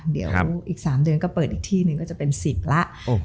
เดี๋ยวอีก๓เดือนก็เปิดอีกที่หนึ่งก็จะเป็น๑๐แล้ว